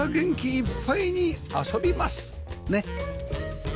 ねっ